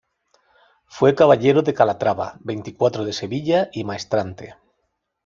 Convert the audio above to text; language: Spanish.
Fue caballero de Calatrava, veinticuatro de Sevilla y maestrante.